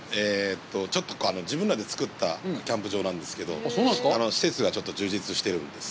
ちょっと自分らでつくったキャンプ場なんですけど、施設が充実しているんです。